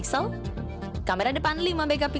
kamera depan lima mp